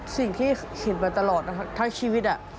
สิ่งที่เห็นไปตลอดทั้งชีวิต